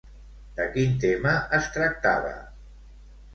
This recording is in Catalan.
De quin tema es tractava?